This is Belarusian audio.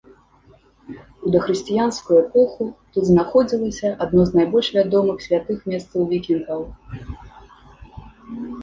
У дахрысціянскую эпоху тут знаходзілася адно з найбольш вядомых святых месцаў вікінгаў.